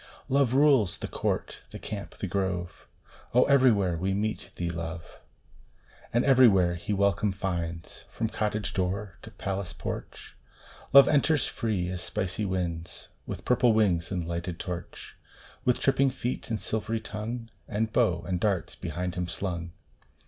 Love rules " the court, the camp, the grove " Oh, everywhere we meet thee, Love ! And everywhere he welcome finds, From cottage door to palace porch Love enters free as spicy winds, With purple wings and lighted torch, With tripping feet and silvery tongue, And bow and darts behind him slung.